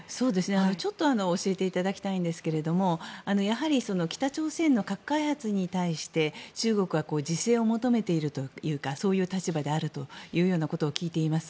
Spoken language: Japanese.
ちょっと教えていただきたいんですけれどもやはり北朝鮮の核開発に対して中国は自制を求めている立場というようなことを聞いています。